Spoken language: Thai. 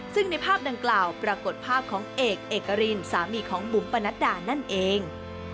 ซึ่งในภาพดังกล่าวปรากฏภาพของเอกเอกรินสามีของบุ๋มปนัดดานั่นเอง